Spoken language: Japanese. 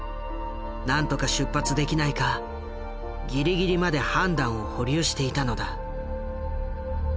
なんとか出発できないかギリギリまで判断を保留していたのだ。